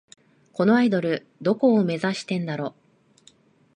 このアイドル、どこを目指してんだろ